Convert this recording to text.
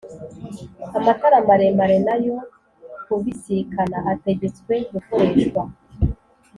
Amatara maremare n'ayo kubisikana ategetswe gukoreshwa